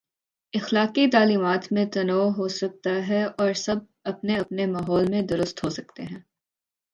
اخلاقی تعلیمات میں تنوع ہو سکتا ہے اور سب اپنے اپنے ماحول میں درست ہو سکتے ہیں۔